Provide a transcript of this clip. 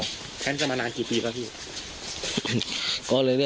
แค้นจะมานานกี่ปีแล้วพี่